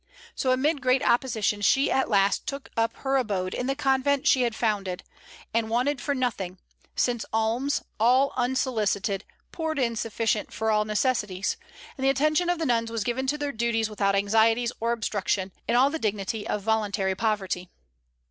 So amid great opposition she at last took up her abode in the convent she had founded, and wanted for nothing, since alms, all unsolicited, poured in sufficient for all necessities; and the attention of the nuns was given to their duties without anxieties or obstruction, in all the dignity of voluntary poverty.